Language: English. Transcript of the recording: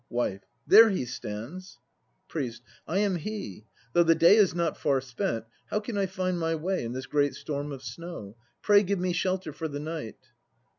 WIFE. There he stands! PRIEST. I am he. Though the day is not far spent, how can I find my way in this great storm of snow? Pray give me shelter for the night.